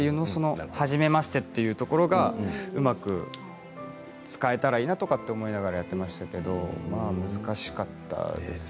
はじめましてというところがうまく使えたらいいなと思いながらやっていましたけれど難しかったですね。